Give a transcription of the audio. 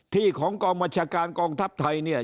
ที่ของกมคทัพไทยเนี่ย